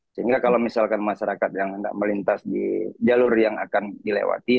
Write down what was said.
sehingga kalau misalkan masyarakat yang hendak melintas di jalur yang akan dilewati